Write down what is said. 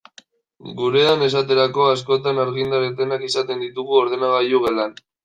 Gurean, esaterako, askotan argindar etenak izaten ditugu ordenagailu gelan.